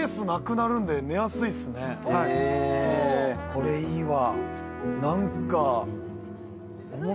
これいいわ。